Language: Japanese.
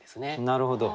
なるほど。